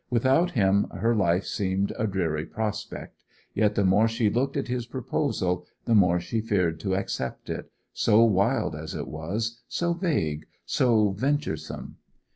Without him her life seemed a dreary prospect, yet the more she looked at his proposal the more she feared to accept it—so wild as it was, so vague, so venturesome.